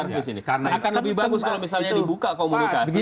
akan lebih bagus kalau misalnya dibuka komunikasi